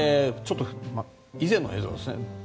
以前の映像です。